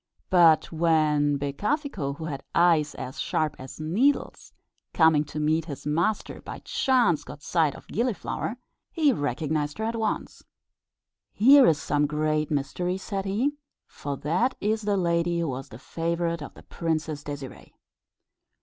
But when Becafico, who had eyes as sharp as needles, coming to meet his master, by chance caught sight of Gilliflower, he recognised her at once. "Here is some great mystery," said he, "for that is the lady who was the favourite of the Princess Désirée."